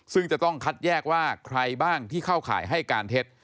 ซึ่งจะต้องคัดแยกว่าใครบ้างที่เข้าข่ายให้การเท็จ